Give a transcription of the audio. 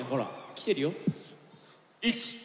来てるよ。